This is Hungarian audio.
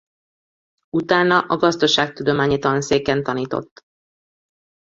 Utána a gazdaságtudományi tanszéken tanított.